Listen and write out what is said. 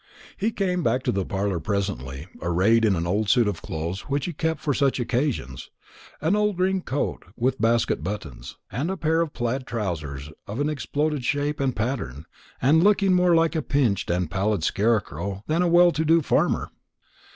He came back to the parlour presently, arrayed in an old suit of clothes which he kept for such occasions an old green coat with basket buttons, and a pair of plaid trousers of an exploded shape and pattern and looking more like a pinched and pallid scarecrow than a well to do farmer.